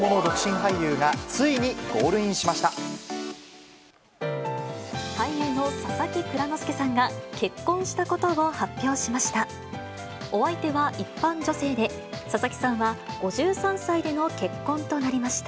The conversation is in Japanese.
俳優の佐々木蔵之介さんが、結婚したことを発表しました。